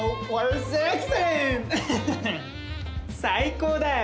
最高だよ！